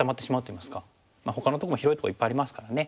ほかのとこも広いとこいっぱいありますからね